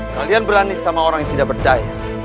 kalian berani sama orang yang tidak berdaya